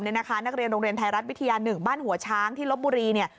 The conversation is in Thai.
นักเรียนโรงเรียนไทยรัฐวิทยา๑บ้านหัวช้างที่ลบบุรีเนี่ย